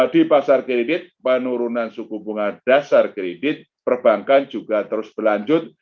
di pasar kredit penurunan suku bunga dasar kredit perbankan juga terus berlanjut